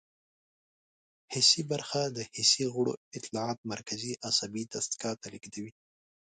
حسي برخه د حسي غړو اطلاعات مرکزي عصبي دستګاه ته لیږدوي.